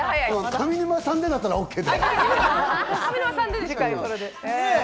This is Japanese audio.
上沼さんだったらＯＫよ。